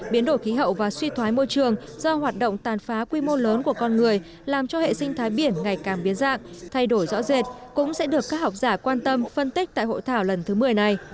biến đổi khí hậu và suy thoái môi trường do hoạt động tàn phá quy mô lớn của con người làm cho hệ sinh thái biển ngày càng biến dạng thay đổi rõ rệt cũng sẽ được các học giả quan tâm phân tích tại hội thảo lần thứ một mươi này